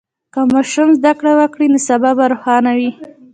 که ماشوم زده کړه وکړي، نو سبا به روښانه وي.